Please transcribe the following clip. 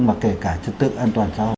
mà kể cả trực tượng an toàn giao thông